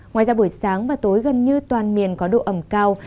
ngoài ra buổi sáng và tối gần như toàn miền có độ ẩm cao